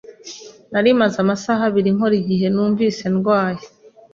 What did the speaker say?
Nari maze amasaha abiri nkora igihe numvise ndwaye.